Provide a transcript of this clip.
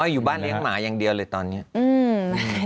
อยู่บ้านเลี้ยงหมาอย่างเดียวเลยตอนนี้อืม